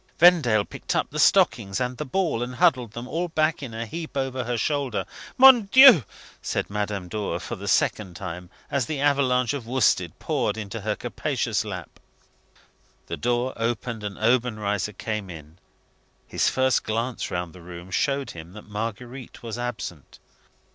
Vendale picked up the stockings and the ball, and huddled them all back in a heap over her shoulder. "Mon Dieu!" said Madame Dor, for the second time, as the avalanche of worsted poured into her capacious lap. The door opened, and Obenreizer came in. His first glance round the room showed him that Marguerite was absent.